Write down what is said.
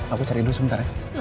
aku cari dulu sebentar